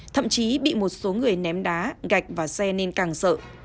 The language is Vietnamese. thậm chí bị một số người ném đá gạch vào xe nên càng sợ